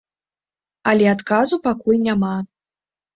Але адказу пакуль няма.